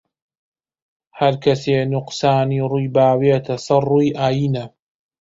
هەر کەسێ نوقسانی ڕووی باوێتە سەر ڕووی ئاینە